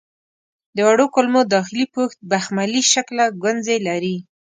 د وړو کولمو داخلي پوښ بخملي شکله ګونځې لري.